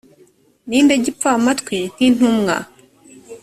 ni nde gipfamatwi nk intumwa